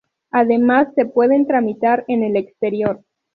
Además, se pueden tramitar en el exterior.